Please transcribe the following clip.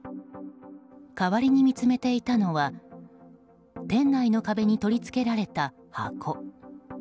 代わりに見つめていたのは店内の壁に取り付けられた箱。